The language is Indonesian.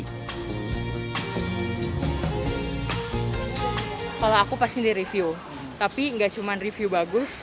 kalau aku pasti direview tapi nggak cuma review bagus